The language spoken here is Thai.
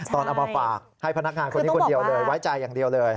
เอามาฝากให้พนักงานคนนี้คนเดียวเลยไว้ใจอย่างเดียวเลย